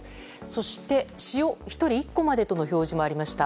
そして、塩１人１個までとの表示もありました。